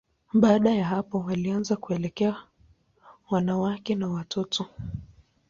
Baada ya hapo, walianza kuelekea wanawake na watoto.